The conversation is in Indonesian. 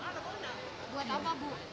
buat apa bu